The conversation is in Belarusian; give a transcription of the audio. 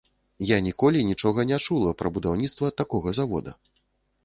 Я ніколі нічога не чула пра будаўніцтва такога завода.